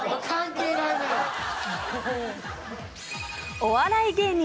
お笑い芸人。